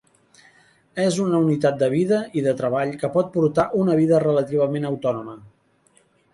És una unitat de vida i de treball que pot portar una vida relativament autònoma.